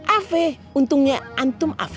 afe untungnya antum afe